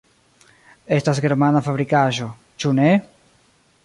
Estas germana fabrikaĵo, ĉu ne?